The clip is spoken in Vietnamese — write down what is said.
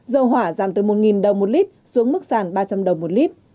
dầu hỏa giảm từ một đồng một lit xuống mức sàn ba trăm linh đồng một lit